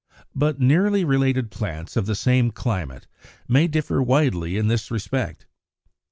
But nearly related plants of the same climate may differ widely in this respect.